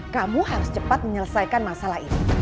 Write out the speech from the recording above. kamu harus cepat menyelesaikan masalah ini